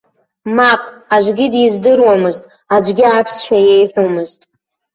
Мап, аӡәгьы диздыруамызт, аӡәгьы аԥсшәа иеиҳәомызт.